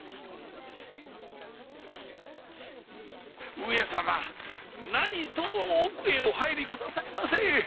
上様なにとぞ奥へお入りくださいませ！